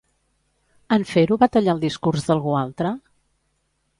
En fer-ho, va tallar el discurs d'algú altre?